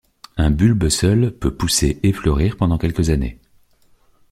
Un bulbe seul peut pousser et fleurir pendant quelques années.